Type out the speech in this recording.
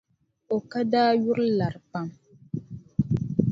O ka daa yuri lari pam.